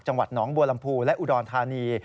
จังหวัดหนองบัวลำพูและอุดรธานี